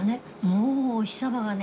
もう、お日様がね